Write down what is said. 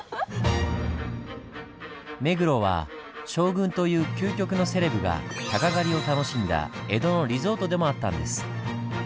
目黒は将軍という究極のセレブが鷹狩りを楽しんだ江戸のリゾートでもあったんです。